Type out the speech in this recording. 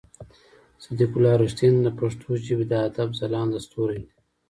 صديق الله رښتين د پښتو ژبې د ادب ځلانده ستوری دی.